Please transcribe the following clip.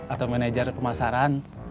atau manajer pemasaran